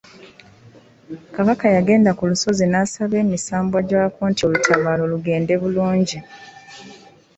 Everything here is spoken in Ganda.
Kabaka yagendanga ku lusozi n’asaba emisambwa gyakwo nti olutabaalo lugende bulungi.